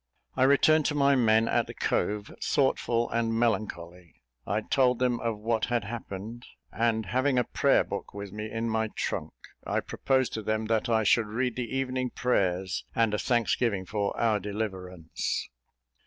I returned to my men at the cove, thoughtful and melancholy; I told them of what had happened; and, having a Prayer book with me in my trunk, I proposed to them that I should read the evening prayers, and a thanksgiving for our deliverance.